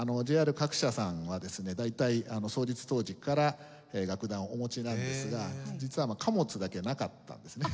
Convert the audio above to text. ＪＲ各社さんはですね大体創立当時から楽団をお持ちなんですが実は貨物だけなかったんですね。